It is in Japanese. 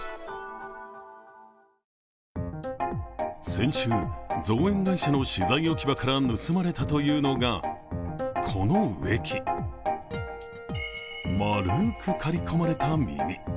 先週、造園会社の資材置き場から盗まれたというのが、この植木。丸く刈り込まれた耳。